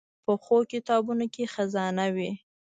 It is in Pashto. پخو کتابونو کې خزانه وي